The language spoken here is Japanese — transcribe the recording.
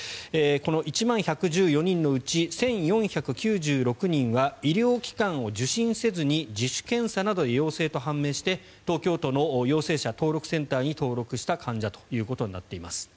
この１万１１４人のうち１４９６人は医療機関を受診せずに自主検査などで陽性と判明して東京都の陽性者登録センターに登録した患者ということになっています。